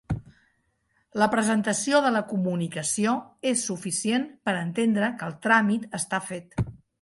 La presentació de la comunicació és suficient per entendre que el tràmit està fet.